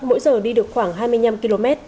mỗi giờ đi được khoảng hai mươi năm km